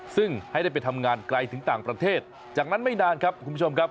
ซึ่งให้ได้ไปทำงานไกลถึงต่างประเทศจากนั้นไม่นานครับคุณผู้ชมครับ